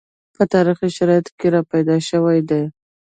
په تاریخي شرایطو کې راپیدا شوي دي